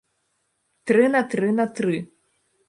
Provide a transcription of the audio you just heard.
Тры на тры на тры.